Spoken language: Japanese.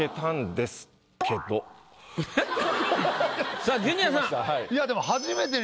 さあジュニアさん。